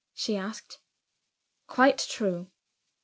she asked. "Quite true."